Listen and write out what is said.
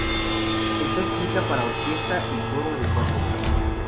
Está escrita para orquesta y coro de cuatro voces.